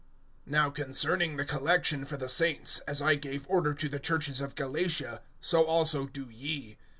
NOW concerning the collection for the saints, as I gave order to the churches of Galatia, so also do ye.